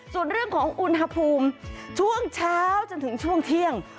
ส่วนเรื่องของอุณหภูมิช่วงเช้าจนถึงช่วงเที่ยง